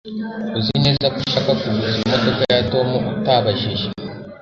Uzi neza ko ushaka kuguza imodoka ya Tom utabajije